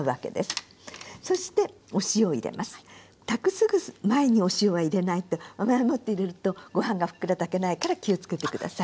すぐ前にお塩は入れないと前もって入れるとご飯がふっくら炊けないから気をつけて下さい。